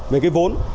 về cái vốn